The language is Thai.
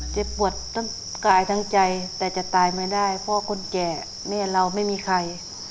เจ็บปวดทั้งกายทั้งใจแต่จะตายไม่ได้เพราะคนแก่แม่เราไม่มีใคร